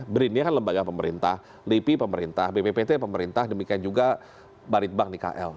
brin ini kan lembaga pemerintah lipi pemerintah bppt pemerintah demikian juga baritbank nikl